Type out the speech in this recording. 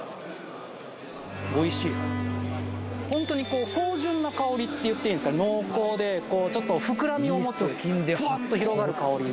ホントに芳醇な香りって言っていいんですか濃厚でちょっと膨らみを持ってふわっと広がる香り